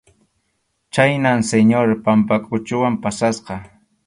Khaynam Señor Pampakʼuchuwan pasasqa.